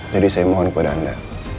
jadi saya mohon kepada anda